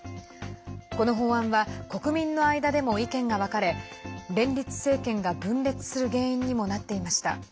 この法案は国民の間でも意見が分かれ連立政権が分裂する原因にもなっていました。